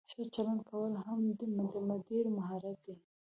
ښه چلند کول هم د مدیر مهارت دی.